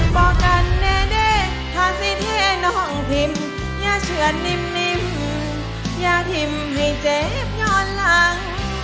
บอกกันแน่ถ้าสิเทน้องพิมพ์อย่าเชื่อนิ่มอย่าพิมพ์ให้เจ็บย้อนหลัง